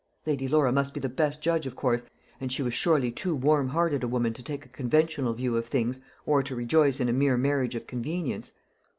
Lady Laura must be the best judge, of course, and she was surely too warm hearted a woman to take a conventional view of things, or to rejoice in a mere marriage of convenience.